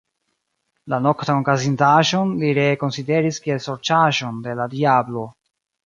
La noktan okazintaĵon li ree konsideris kiel sorĉaĵon de la diablo.